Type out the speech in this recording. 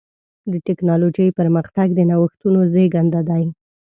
د ټکنالوجۍ پرمختګ د نوښتونو زېږنده دی.